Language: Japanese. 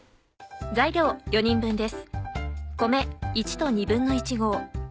材料４人分です。